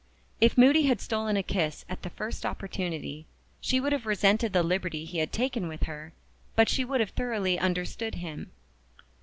If Moody had stolen a kiss at the first opportunity, she would have resented the liberty he had taken with her; but she would have thoroughly understood him.